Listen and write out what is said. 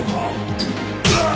ああ！